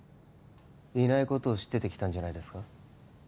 いないことを知ってて来たんじゃないですか？